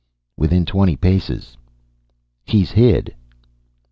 "Within twenty paces." "He's hid."